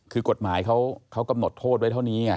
คือกฎหมายเขากำหนดโทษไว้เท่านี้